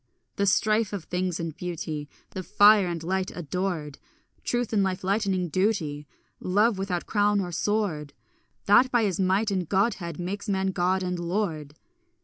The strife of things and beauty, The fire and light adored, Truth, and life lightening duty, Love without crown or sword, That by his might and godhead makes man god and lord.